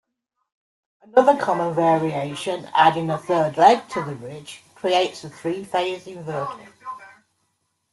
Another common variation, adding a third 'leg' to the bridge, creates a three-phase inverter.